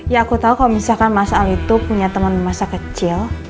ya aku tahu kalau misalkan mas ali itu punya teman masa kecil